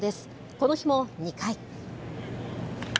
この日も２回。